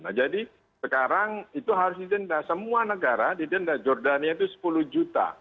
nah jadi sekarang itu harus didenda semua negara didenda jordania itu sepuluh juta